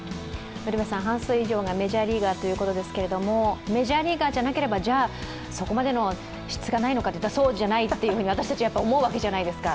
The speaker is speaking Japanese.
半数以上がメジャーリーガーということですけれども、メジャーリーガーじゃなければそこまでの質がないのかっていったらそうじゃないっていうふうに私たちは思うわけじゃないですか。